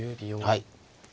はい。